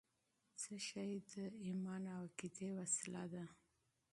څه شی د ایمان او عقیدې وسله ده؟